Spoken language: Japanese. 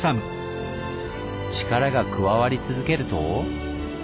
力が加わり続けると。